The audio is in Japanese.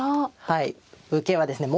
はい受けはですね